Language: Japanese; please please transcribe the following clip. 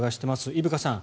伊深さん